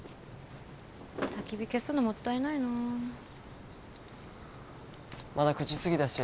たき火消すのもったいないなまだ９時すぎだし